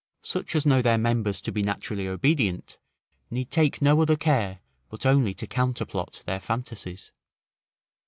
Such as know their members to be naturally obedient, need take no other care but only to counterplot their fantasies.